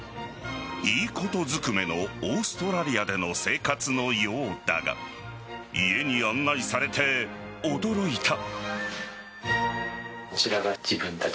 いいことずくめのオーストラリアでの生活のようだが家に案内されて驚いた。